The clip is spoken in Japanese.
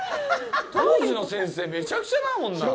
当時の先生、めちゃくちゃだもんな。